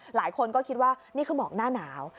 หลายคนก็คิดว่านี่คือหมอกหน้าหนาว